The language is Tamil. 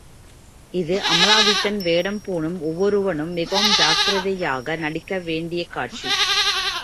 இது அமலாதித்யன் வேடம் பூணும் ஒவ்வொருவனும் மிகவும் ஜாக்கிரதையாக நடிக்க வேண்டிய காட்சி.